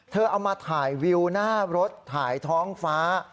เอามาถ่ายวิวหน้ารถถ่ายท้องฟ้า